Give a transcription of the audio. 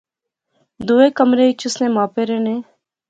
دوئے کمرے اچ اس نے ما پے رہنے